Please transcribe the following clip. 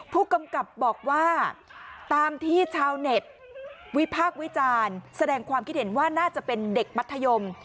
ผู้กำกับบอกว่าตามที่ชาวเน็ตวิพากษ์วิจารณ์แสดงความคิดเห็นว่าน่าจะเป็นเด็กมัธยม